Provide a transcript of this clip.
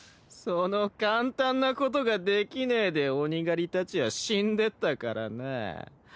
その簡単なことができねえで鬼狩りたちは死んでったからなぁ。